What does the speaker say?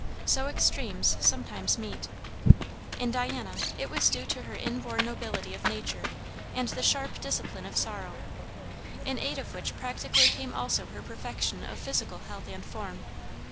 So extremes sometimes meet. In Diana it was due to her inborn nobility of nature and the sharp discipline of sorrow; in aid of which practically came also her perfection of physical health and form.